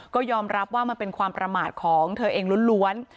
ก็ยอมรับว่ามันเป็นความประมาทของเธอเองล้วน